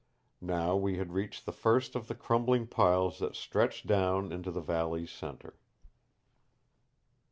Now we had reached the first of the crumbling piles that stretched down into the valley's center.